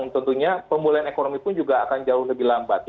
tentunya pemulihan ekonomi pun juga akan jauh lebih lambat